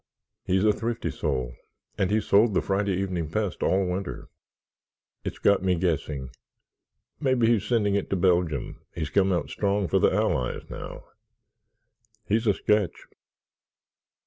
He's a thrifty soul and he sold the Friday Evening Pest all winter. It's got me guessing. Maybe he's sending it to Belgium—he's come out strong for the Allies now. He's a sketch."